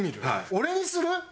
俺にする？